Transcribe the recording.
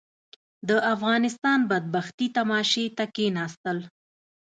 د افغانستان بدبختي تماشې ته کښېناستل.